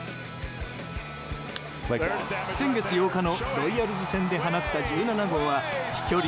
先月８日のロイヤルズ戦で放った１７号は飛距離